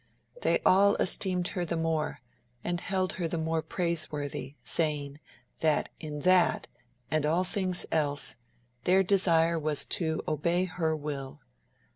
They all esteemed her the more, and held her the more praiseworthy, saying,^ that in that, and all things else, their desire was to obey her will.